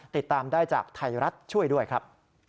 ติดตามได้จากไทยรัฐช่วยด้วยครับ